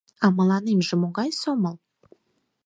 — А мыламже могай сомыл?